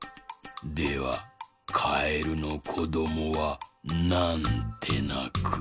ではカエルのこどもはなんてなく？